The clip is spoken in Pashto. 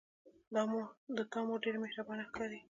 د تا مور ډیره مهربانه ښکاري